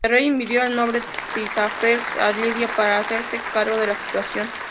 El rey envió al noble Tisafernes a Lidia para hacerse cargo de la situación.